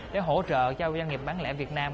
để hỗ trợ cho doanh nghiệp bán lẻ việt nam